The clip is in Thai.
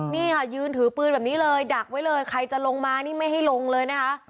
นี่ค่ะยืนถือปืนแบบนี้เลยดักไว้เลยใครจะลงมานี่ไม่ให้ลงเลยนะคะ